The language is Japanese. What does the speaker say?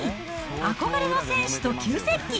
憧れの選手と急接近。